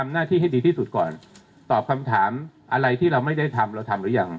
หน้าที่ให้ดีที่สุดก่อนตอบคำถามอะไรที่เราไม่ได้ทำเราทำหรือยัง